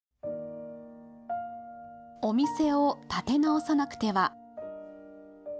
お店を立て直さなくては。